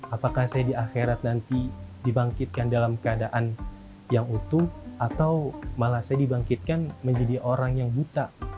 apakah saya di akhirat nanti dibangkitkan dalam keadaan yang utuh atau malah saya dibangkitkan menjadi orang yang buta